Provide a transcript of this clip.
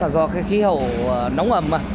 do cái khí hậu nóng ẩm mà